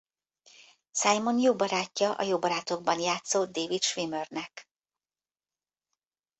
Simon jó barátja a Jóbarátokban játszó David Schwimmer-nek.